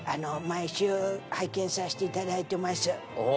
毎週拝見させて頂いています。